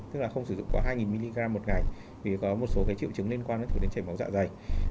tức là không sử dụng có hai mg một ngày vì có một số triệu chứng liên quan đến chảy máu dạ dày